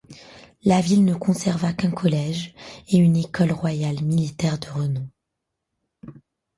La ville ne conserva qu’un collège et une Ecole royale militaire de renom.